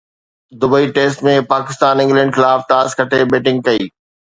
Dubai test ۾ Pakistan England خلاف toss کٽي batting ڪئي